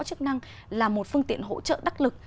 chức năng là một phương tiện hỗ trợ đắc lực